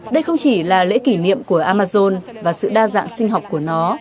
đây không chỉ là lễ kỷ niệm của amazon và sự đa dạng sinh học của nó